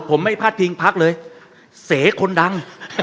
ผมไม่พลาดทิ้งภักดิ์หรือ